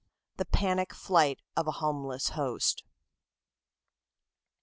The Panic Flight of a Homeless Host.